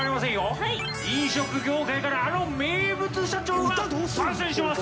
飲食業界からあの名物社長が参戦します！